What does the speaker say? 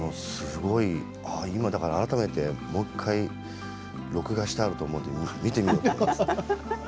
今、改めてもう１回録画してあると思うので見てみます。